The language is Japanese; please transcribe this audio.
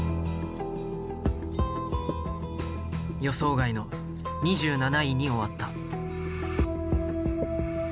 予想外の２７位に終わった。